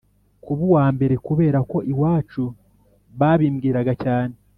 kuba uwa mbere kubera ko iwacu babimbwiraga cyane